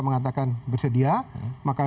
mengatakan bersedia maka